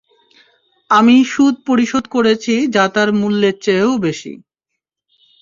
আমি সুদ পরিশোধ করেছি যা তার মূলের চেয়েও বেশি।